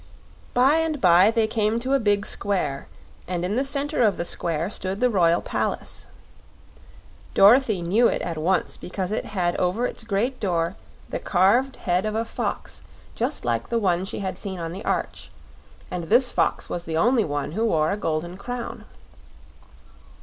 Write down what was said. By and by they came to a big square, and in the center of the square stood the royal palace. Dorothy knew it at once because it had over its great door the carved head of a fox just like the one she had seen on the arch, and this fox was the only one who wore a golden crown.